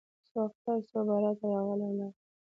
څو اختره څو براته راغله ولاړه